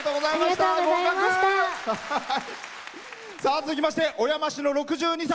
続きまして小山市の６２歳。